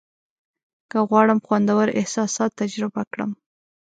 که غواړم خوندور احساسات تجربه کړم.